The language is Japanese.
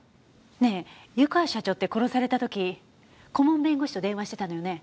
ねえ湯川社長って殺された時顧問弁護士と電話してたのよね？